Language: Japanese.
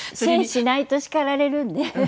しないと叱られるので。